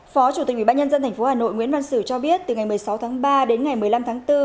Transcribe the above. phó chủ tịch ubnd tp hà nội nguyễn văn sử cho biết từ ngày một mươi sáu tháng ba đến ngày một mươi năm tháng bốn